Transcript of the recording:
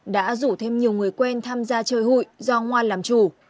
đã rủ thêm nhiều người quen tham gia chơi hụi do ngoan làm chủ